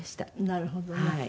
なるほどね。